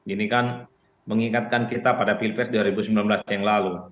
ini kan mengingatkan kita pada pilpres dua ribu sembilan belas yang lalu